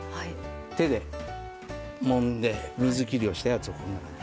手でもんで水きりをしたやつをこの中に。